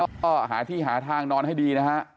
ก็หาที่หาทางนอนให้ดีนะฮะ